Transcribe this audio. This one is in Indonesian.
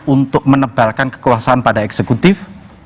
untuk menebalkan kekuasaan pada eksekutif